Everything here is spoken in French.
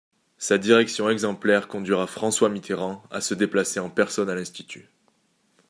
Sa direction exemplaire conduira François Mitterrand à se déplacer en personne à l'Institut.